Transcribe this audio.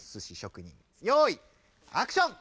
よいアクション！